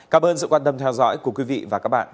cảm ơn sự quan tâm theo dõi của quý vị và các bạn